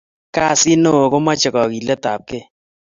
kasit noo komochei kokiletap kei